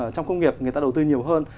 trong công nghiệp người ta đầu tư nhiều hơn